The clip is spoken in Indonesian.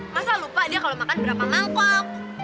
masa lupa dia kalau makan berapa mangkok